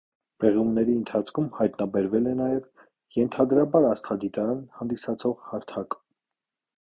Պեղումների ընթացքում հայտնաբերվել է նաև ենթադրաբար աստղադիտարան հանդիսացող հարթակ։